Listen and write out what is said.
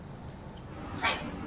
はい。